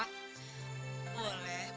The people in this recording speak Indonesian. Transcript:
boleh boleh aja